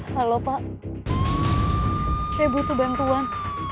halo pak saya butuh bantuan